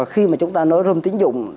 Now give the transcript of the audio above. khi mà chúng ta nối rung tiến dụng